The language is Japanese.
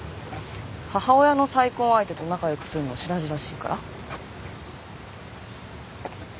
母親の再婚相手と仲良くすんのしらじらしいから？